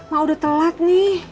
emak udah telat nih